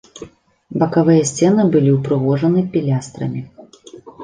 Бакавыя сцены былі ўпрыгожаны пілястрамі.